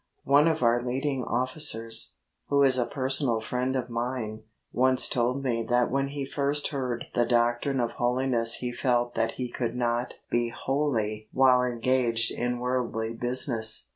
One of our leading Officers, who is a personal friend of mine, once told me that when he first heard the doctrine of Holiness he felt that he could not be holy while HOW TO KEEP HOLINESS 59 engaged in worldly business.